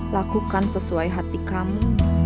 lakukan sesuai hati kamu